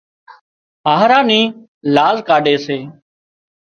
هاهرا نِي لاز ڪاڍي سي